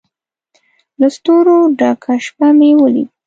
له ستورو ډکه شپه مې ولیده